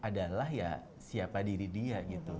adalah ya siapa diri dia gitu